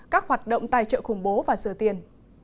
các hoạt động tài trợ khủng bố và sửa tiền